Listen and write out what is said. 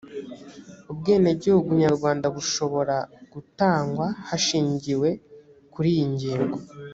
ubwenegihugu nyarwanda bushobo ra gutangwa hashingiwe kuri iyi ngingo